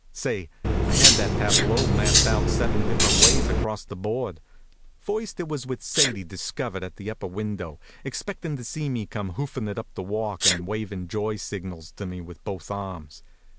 Say, I had that tableau mapped out seven different ways across the board. First it was with Sadie discovered at an upper window, expectin to see me come hoofin it up the walk, and wavin joy signals to me with both arms.